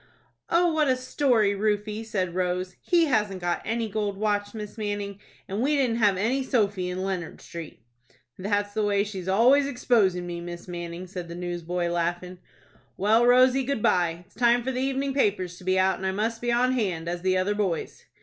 "Oh, what a story, Rufie!" said Rose. "He hasn't got any gold watch, Miss Manning, and we didn't have any sofy in Leonard Street." "That's the way she's always exposin' me, Miss Manning," said the newsboy, laughing. "Well, Rosy, good by. It's time for the evenin' papers to be out, and I must be on hand, as the other boys."